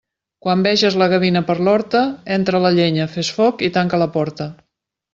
Quan veges la gavina per l'horta, entra la llenya, fes foc i tanca la porta.